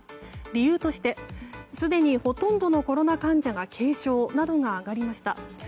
理由としてすでにほとんどのコロナ患者が軽症などが挙がりました。